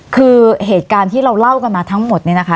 คือเหตุการณ์ที่เราเล่ากันมาทั้งหมดเนี่ยนะคะ